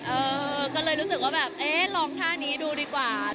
เออก็เลยรู้สึกว่าแบบเอ๊ะลองท่านี้ดูดีกว่า